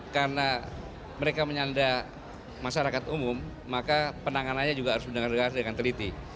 karena mereka menyanda masyarakat umum maka penanganannya juga harus mendengar dengan teliti